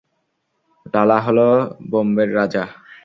লালা হলো বোম্বের রাজা।